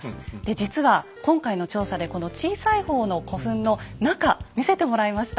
実は今回の調査でこの小さい方の古墳の中見せてもらいました。